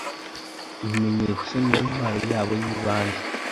ibimenyetso niyo ntwaro yabo yibanze